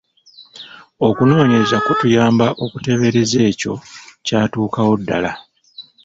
Okunoonyeraza kutuyamba okuteebereza ekyo kyatuukawo ddala.